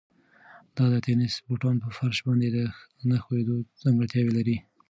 دا د تېنس بوټان په فرش باندې د نه ښویېدو ځانګړتیا لري.